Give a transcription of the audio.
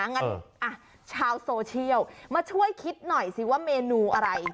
งั้นชาวโซเชียลมาช่วยคิดหน่อยสิว่าเมนูอะไร